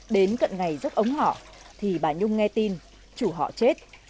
đến cận ngày dốc ống họ thì bà nhung nghe tin chủ họ chết